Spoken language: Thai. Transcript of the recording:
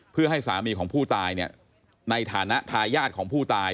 เพื่อให้สามีของผู้ตายในฐานะทายาทของผู้ตาย